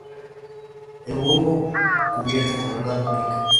El bulbo cubierto con una túnica.